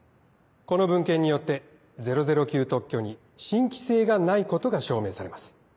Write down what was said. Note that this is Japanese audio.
この文献によって００９特許に新規性がないことが証明されます。